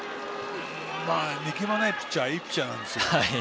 力まないピッチャーはいいピッチャーなんですよ。